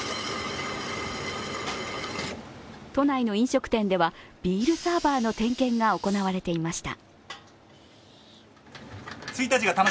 都内の飲食店では、ビールサーバーの点検が行われていました。